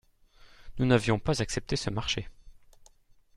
Nous n’avions pas accepté ce marché.